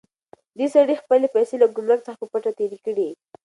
دې سړي خپلې پیسې له ګمرک څخه په پټه تېرې کړې.